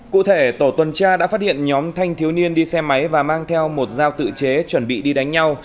cụ thể tổ tuần tra đã phát hiện nhóm thanh thiếu niên đi xe máy và mang theo một dao tự chế chuẩn bị đi đánh nhau